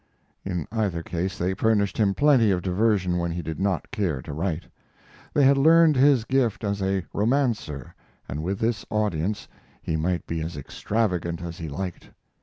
In either case they furnished him plenty of diversion when he did not care to write. They had learned his gift as a romancer, and with this audience he might be as extravagant as he liked.